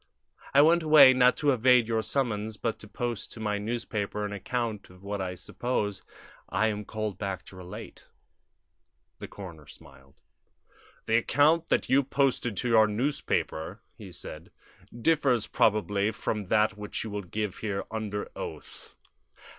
"I went away, not to evade your summons, but to post to my newspaper an account of what I suppose I am called back to relate." The coroner smiled. "The account that you posted to your newspaper," he said, "differs probably from that which you will give here under oath."